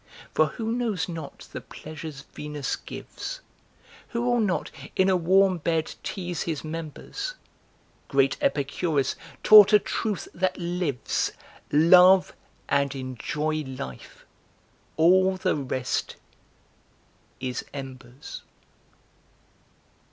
For who knows not the pleasures Venus gives? Who will not in a warm bed tease his members? Great Epicurus taught a truth that lives; Love and enjoy life! All the rest is embers.